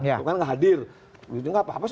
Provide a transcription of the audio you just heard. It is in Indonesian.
tidakkan menghadir itu tidak apa apa